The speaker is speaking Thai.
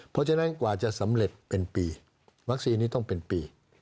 เพราะฉะนั้นกว่าจะสำเร็จเป็นปีวัคซีนนี้ต้องเป็นปี